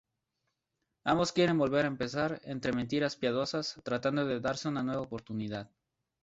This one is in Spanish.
Ambos quieren volver a empezar, entre mentiras piadosas, tratando de darse una nueva oportunidad.